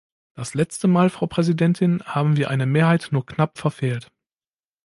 Das letzte Mal, Frau Präsidentin, haben wir eine Mehrheit nur knapp verfehlt.